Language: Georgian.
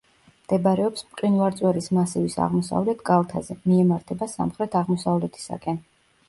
მდებარეობს მყინვარწვერის მასივის აღმოსავლეთ კალთაზე, მიემართება სამხრეთ აღმოსავლეთისაკენ.